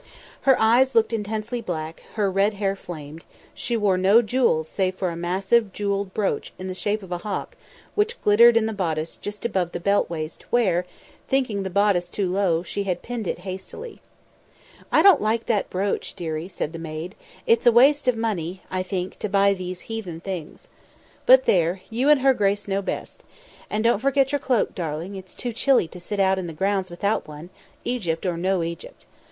Her eyes looked intensely black; her red hair flamed; she wore no jewels save for a massive jewelled brooch in the shape of a hawk which glittered in the bodice just above the waist belt where, thinking the bodice too low, she had pinned it hastily. "I don't like that brooch, dearie," said the maid. "It's a waste of money, I think, to buy these heathen things. But there! you and her grace know best. And don't forget your cloak, darling; it's too chilly to sit out in the grounds without one, Egypt or no Egypt.